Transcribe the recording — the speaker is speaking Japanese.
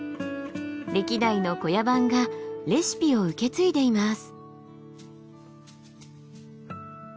歴代の小屋番がレシピを受け継いでいます。